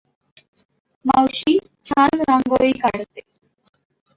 मावशी छान रांगोळी काढते.